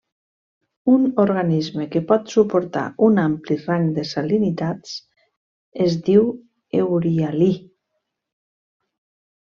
Un organisme que pot suportar un ampli rang de salinitats es diu eurihalí.